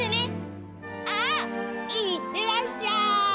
あっいってらっしゃい！